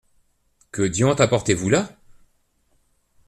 Que diantre apportez-vous là ?